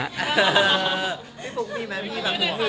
พี่ฟุ๊กมีไหมมีแบบห่วง